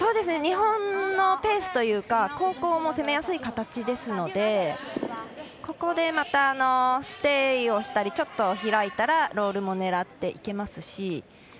日本のペースというか後攻も攻めやすい形ですのでここでまたステイをしたりちょっと開いたらロールも狙っていけますし。